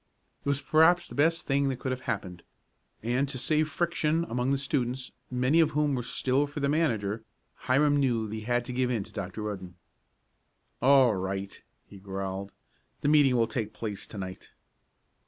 It was perhaps the best thing that could have happened, and to save friction among the students, many of whom were still for the manager, Hiram knew he had to give in to Dr. Rudden. "All right," he growled. "The meeting will take place to night."